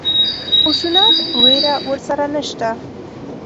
خشونت وېره ورسره نشته.